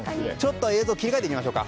映像を切り替えてみましょう。